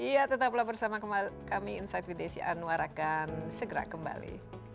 iya tetaplah bersama kami insight with desi anwar akan segera kembali